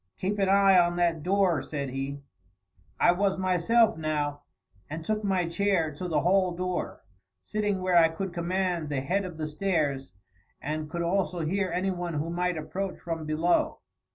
"Keep an eye on that door," said he. I was myself now, and took my chair to the hall door, sitting where I could command the head of the stairs and could also hear anyone who might approach from below.